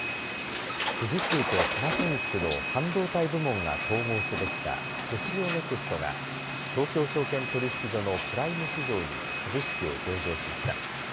富士通とパナソニックの半導体部門が統合してできたソシオネクストが東京証券取引所のプライム市場に株式を上場しました。